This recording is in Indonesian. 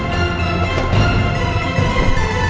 jangan lupa joko tingkir